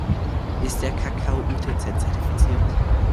Ist der Kakao UTZ-zertifiziert?